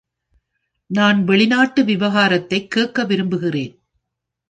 நான் வெளிநாட்டு விவகாரத்தை கேட்க விரும்புகிறேன்.